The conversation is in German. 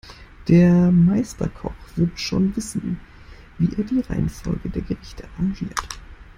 Der Meisterkoch wird schon wissen, wie er die Reihenfolge der Gerichte arrangiert.